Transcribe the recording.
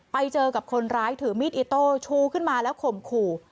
ไปเจอกับคนร้ายถือมีดอิโต้ชูขึ้นมาแล้วข่มขู่